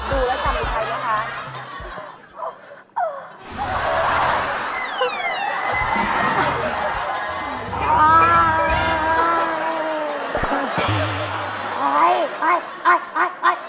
ดูแล้วคำอีกใครนะคะ